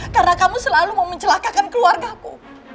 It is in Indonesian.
karena kamu selalu mencelakakan keluarga ku